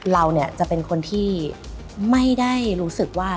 เราจะเป็นคนที่ไม่ได้รู้สึกว่า